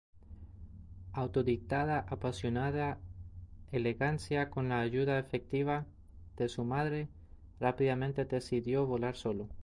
Autodidacta, apasionada elegancia, con la ayuda efectiva de su madre, rápidamente decidió volar solo.